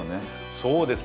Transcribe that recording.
そうですね